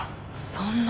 そんな。